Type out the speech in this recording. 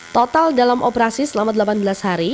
total dalam operasi selama delapan belas hari